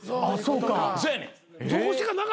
あっそうか。